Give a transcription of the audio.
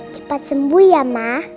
cepat sembuh ya ma